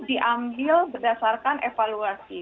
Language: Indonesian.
diambil berdasarkan evaluasi